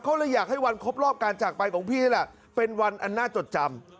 เขาเลยอยากให้วันครบรอบการจากไปของพี่นี่แหละเป็นวันอันน่าจดจำ